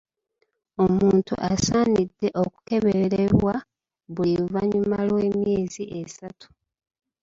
Omuntu asaanidde okukeberebwa buli luvannyuma lw’emyezi esatu.